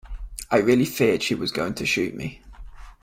I really feared that she was going to shoot me.